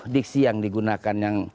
diksi yang digunakan